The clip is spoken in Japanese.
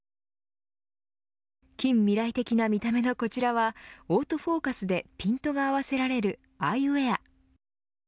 近未来的な見た目のこちらはオートフォーカスでピントが合わせられるアイウエア。